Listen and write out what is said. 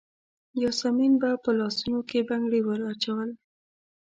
یاسمین به په لاسونو کې بنګړي وراچول.